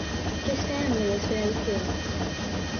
His family was very poor.